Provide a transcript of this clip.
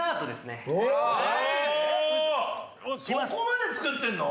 そこまで作ってんの？